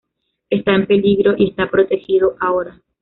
Está en peligro y está protegido ahora.